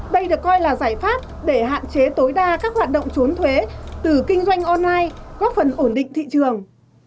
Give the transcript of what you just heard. đây được coi là giải pháp để hạn chế tối đa các hoạt động trốn thuế từ kinh doanh online góp phần ổn định thị trường